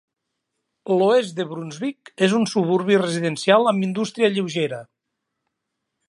L'oest de Brunswick és un suburbi residencial amb indústria lleugera.